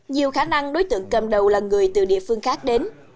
nhiều khả năng đối tượng cầm đầu là người từ địa phương khác đến